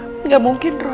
tidak mungkin roy